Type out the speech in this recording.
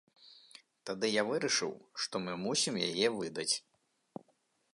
Тады я вырашыў, што мы мусім яе выдаць.